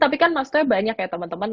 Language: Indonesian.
tapi kan maksudnya banyak ya teman teman